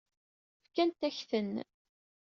Fkant-ak-ten.